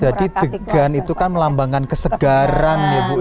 jadi degan itu kan melambangkan kesegaran ya bu ya